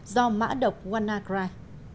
do mã đọc wannacry